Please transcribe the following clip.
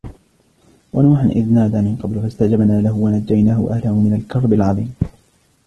وَنُوحًا إِذْ نَادَى مِنْ قَبْلُ فَاسْتَجَبْنَا لَهُ فَنَجَّيْنَاهُ وَأَهْلَهُ مِنَ الْكَرْبِ الْعَظِيمِ